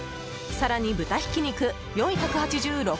更に、豚ひき肉４８６円。